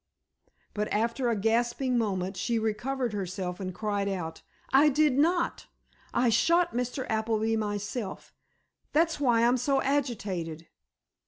But after a gasping moment, she recovered herself, and cried out: "I did not! I shot Mr. Appleby myself. That's why I'm so agitated."